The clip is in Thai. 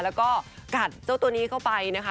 แล้วก็กัดเจ้าตัวนี้เข้าไปนะคะ